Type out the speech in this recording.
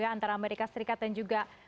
antara amerika serikat dan juga